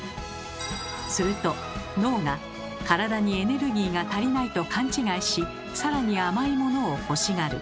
すると脳が体にエネルギーが足りないと勘違いしさらに甘いものを欲しがる。